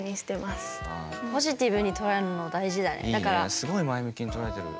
すごい前向きに捉えてる。